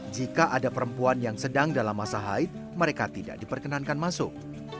jika ada perempuan yang sedang dalam masa haid mereka tidak diperkenankan masuk